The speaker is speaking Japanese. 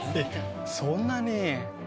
そんなに？